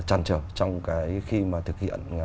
trăn trở trong cái khi mà thực hiện